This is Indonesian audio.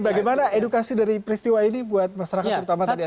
bagaimana edukasi dari peristiwa ini buat masyarakat terutama tadi